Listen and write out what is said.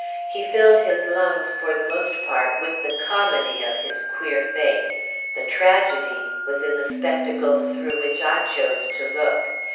He filled his lungs, for the most part; with the comedy of his queer fate: the tragedy was in the spectacles through which I chose to look.